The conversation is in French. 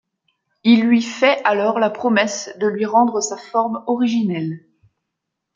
Il lui fait alors la promesse de lui rendre sa forme originel.